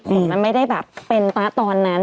คนมันไม่ได้แบบเป็นป๊าตอนนั้น